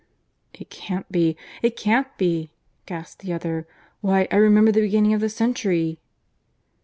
"It can't be; it can't be," gasped the other. "Why, I remember the beginning of the century."